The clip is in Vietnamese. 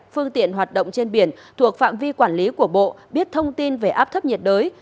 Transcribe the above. phương tiện hoạt động trên biển thuộc phạm vi quản lý của bộ biết thông tin về áp thấp nhiệt đới